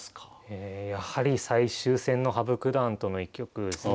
やはり最終戦の羽生九段との一局ですね。